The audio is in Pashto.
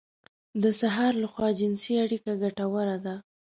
د سهار لخوا جنسي اړيکه ګټوره ده.